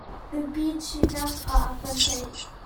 Nupi ṭhitnak ah an kan pheih.